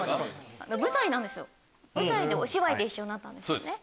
お芝居で一緒になったんですよね。